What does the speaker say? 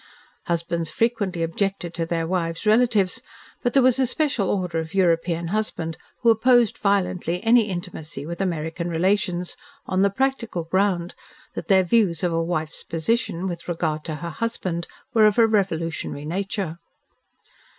Husbands frequently objected to their wives' relatives, but there was a special order of European husband who opposed violently any intimacy with American relations on the practical ground that their views of a wife's position, with regard to her husband, were of a revolutionary nature.